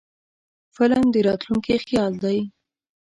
فلم د راتلونکي خیال دی